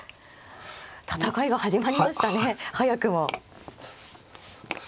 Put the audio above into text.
戦いが始まりましたね早くも。